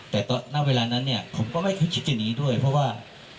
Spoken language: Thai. แต่ตอนนั้นเวลานั้นเนี่ยผมก็ไม่คิดอย่างนี้ด้วยเพราะว่า